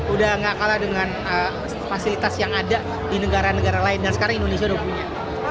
udah gak kalah dengan fasilitas yang ada di negara negara lain dan sekarang indonesia udah punya